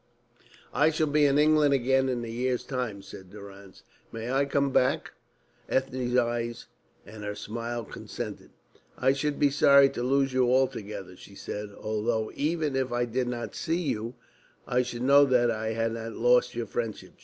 "I shall be in England again in a year's time," said Durrance. "May I come back?" Ethne's eyes and her smile consented. "I should be sorry to lose you altogether," she said, "although even if I did not see you, I should know that I had not lost your friendship."